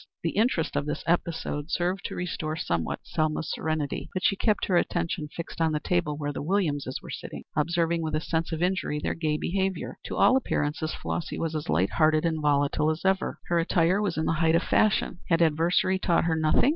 The interest of this episode served to restore somewhat Selma's serenity, but she kept her attention fixed on the table where the Williamses were sitting, observing with a sense of injury their gay behavior. To all appearances, Flossy was as light hearted and volatile as ever. Her attire was in the height of fashion. Had adversity taught her nothing?